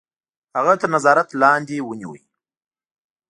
هغه تر نظارت لاندي ونیوی.